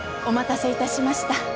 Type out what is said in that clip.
お待たせいたしました。